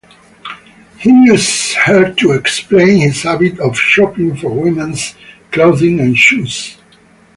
He uses her to explain his habit of shopping for women's clothing and shoes.